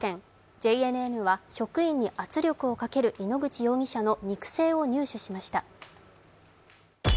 ＪＮＮは職員に圧力をかける井ノ口容疑者の肉声を入手しました。